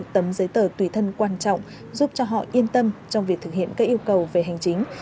tấm giấy tờ tùy thân quan trọng giúp cho họ yên tâm trong việc thực hiện các yêu cầu về hành chính